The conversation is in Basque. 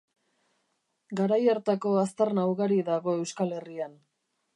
Garai hartako aztarna ugari dago Euskal Herrian.